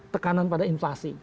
tekanan pada inflasi